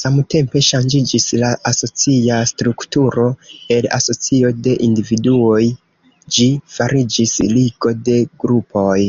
Samtempe ŝanĝiĝis la asocia strukturo: el asocio de individuoj ĝi fariĝis ligo de grupoj.